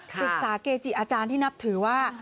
ปรึกษาเกจิอาจารย์ที่นับถือว่า